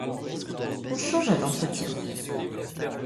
On changea d'entretien.